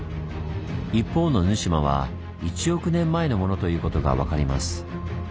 一方の沼島は１億年前のものということが分かります。